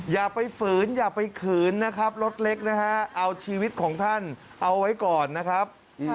อย่าไปฝืนอย่าไปขืนนะครับรถเล็กนะฮะเอาชีวิตของท่านเอาไว้ก่อนนะครับ